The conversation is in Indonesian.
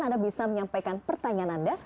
anda bisa menyampaikan pertanyaan anda